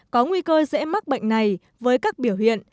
có nguy cơ dễ mắc bệnh này với các biểu hiện